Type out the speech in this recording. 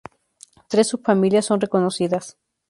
Tres subfamilias son reconocidas.